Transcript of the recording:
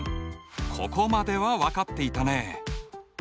ここまでは分かっていたね。